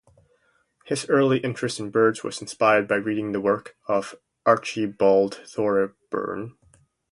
His early interest in birds was inspired by reading the work of Archibald Thorburn.